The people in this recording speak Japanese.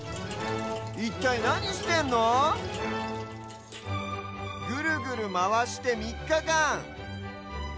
いったいなにしてんの⁉ぐるぐるまわしてみっかかん。